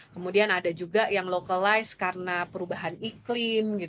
kemudian ada juga yang localize karena perubahan iklim